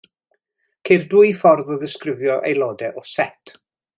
Ceir dwy ffordd o ddisgrifio aelodau o set.